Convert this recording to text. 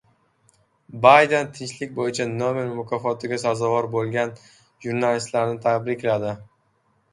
Bayden tinchlik bo‘yicha Nobel mukofotiga sazovor bo‘lgan jurnalistlarni tabrikladi